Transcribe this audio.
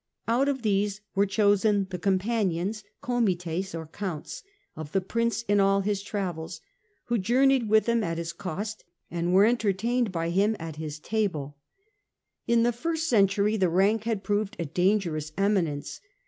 Out of these were chosen the companions (comites, counts) of the prince in all his travels, who journeyed with him at his cost, and were entertained by him at his table. CH. IX. 198 The Age of the Antoninee, In the first century the rank had proved a dangerous eminence.